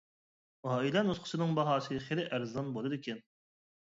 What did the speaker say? ئائىلە نۇسخىسىنىڭ باھاسى خېلى ئەرزان بولىدىكەن.